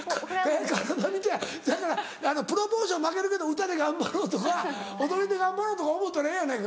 体見てせやからプロポーション負けるけど歌で頑張ろうとか踊りで頑張ろうとか思うたらええやないか。